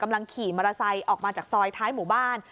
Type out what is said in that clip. กำลังขี่มอเตอร์ไซค์ออกมาจากซอยท้ายหมู่บ้าน